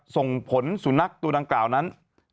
ส่งผลสุนัขตัวดังกล่าวนั้น